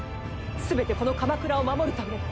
全てこの鎌倉を守るため。